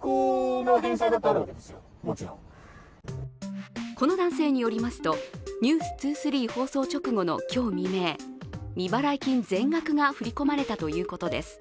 更にこの男性によりますと「ｎｅｗｓ２３」放送直後の今日未明、未払い金全額が振り込まれたということです。